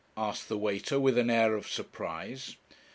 asked the waiter, with an air of surprise.